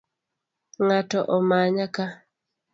Ng’ato omanya kaa?